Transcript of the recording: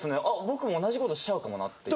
僕も同じ事しちゃうかもなって。